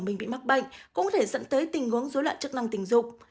mình bị mắc bệnh cũng có thể dẫn tới tình huống dối loạn chức năng tình dục